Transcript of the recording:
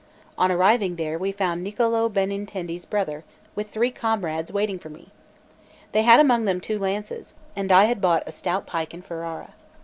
On arriving there, we found Niccolò Benintendi's brother, with three comrades, waiting for me. They had among them two lances, and I had bought a stout pike in Ferrara.